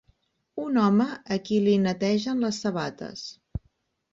Un home a qui li netegen les sabates.